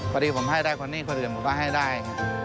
พอดีผมให้ได้คนนี้คนอื่นผมก็ให้ได้